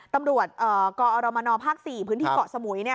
ตำรวจฯกอรมนภ๔พคเกาะสมุย